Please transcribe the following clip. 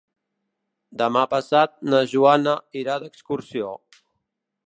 Demà passat na Joana irà d'excursió.